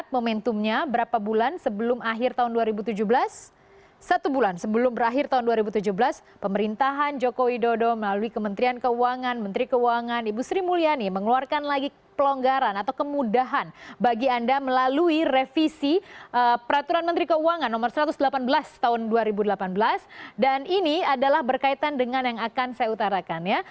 peraturan menteri keuangan nomor satu ratus delapan belas tahun dua ribu delapan belas dan ini adalah berkaitan dengan yang akan saya utarakan ya